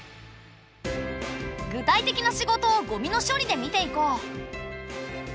具体的な仕事をゴミの処理で見ていこう。